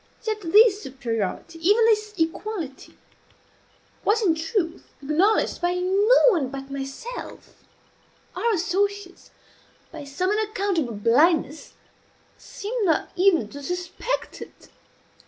Yet this superiority, even this equality, was in truth acknowledged by no one but myself; our associates, by some unaccountable blindness, seemed not even to suspect it.